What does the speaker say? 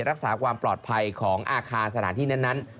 รักษาความปลอดภัยของอาคารสถานที่นั้น